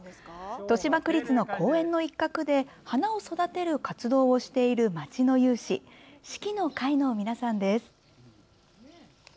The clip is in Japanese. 豊島区立の公園の一角で花を育てる活動をしている町の有志、四季の会の皆さんです。